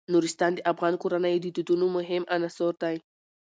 نورستان د افغان کورنیو د دودونو مهم عنصر دی.